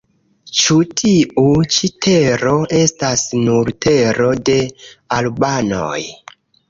Ĉu tiu ĉi tero estas nur tero de albanoj?